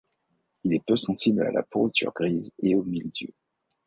Il est peu sensible à la pourriture grise et au mildiou.